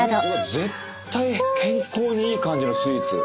絶対健康にいい感じのスイーツ。